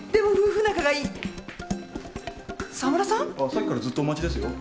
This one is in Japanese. さっきからずっとお待ちですよ。